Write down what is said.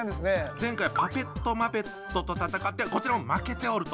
前回パペットマペットと戦ってこちらも負けておると。